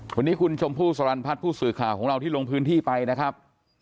วันนี้คุณชมพู่สรรพัฒน์ผู้สื่อข่าวของเราที่ลงพื้นที่ไปนะครับ